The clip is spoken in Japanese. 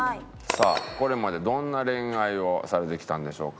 さあこれまでどんな恋愛をされてきたんでしょうか？